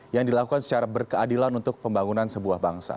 yang dilakukan secara berkeadilan untuk pembangunan sebuah bangsa